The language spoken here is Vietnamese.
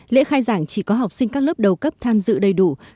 lễ khai giảng chỉ có học sinh các lớp đầu cấp tham dự đầy đủ